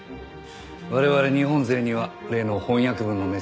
我々日本勢には例の翻訳文のメッセージ。